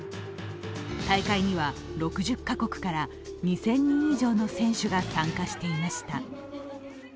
大会には６０カ国から２０００人以上の選手が参加していました。